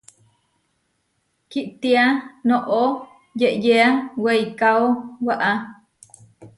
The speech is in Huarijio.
Kitia noʼó yeʼyéa weikáo waʼá.